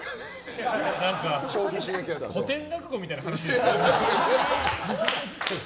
何か古典落語みたいな話ですね。